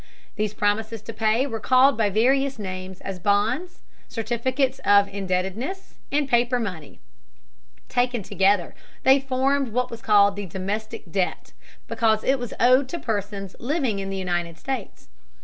These promises to pay were called by various names as bonds, certificates of indebtedness, and paper money. Taken all together they formed what was called the Domestic Debt, because it was owed to persons living in the United States.